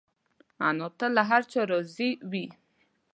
انا تل له هر چا راضي وي